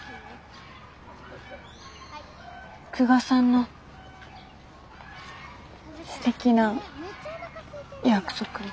久我さんのすてきな約束も。